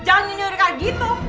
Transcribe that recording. jangan nyurikan gitu